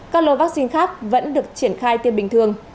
các lô vaccine khác vẫn được triển khai tiêm bình thường